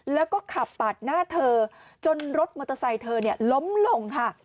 แล้วก็ขับปาดหน้าเธอจนรถมอเตอร์ไซค์เธอล้มลงค่ะ